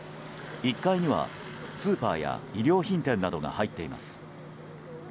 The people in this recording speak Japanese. １階にはスーパーや衣料品店などが入っています。